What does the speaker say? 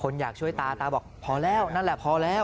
อยากช่วยตาตาบอกพอแล้วนั่นแหละพอแล้ว